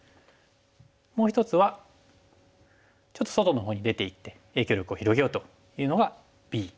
もう１つはちょっと外のほうに出ていって影響力を広げようというのがＢ。